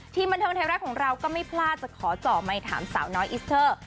บันเทิงไทยรัฐของเราก็ไม่พลาดจะขอเจาะไมค์ถามสาวน้อยอิสเตอร์